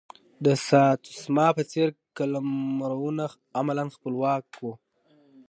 د ساتسوما په څېر قلمرونه عملا خپلواک وو.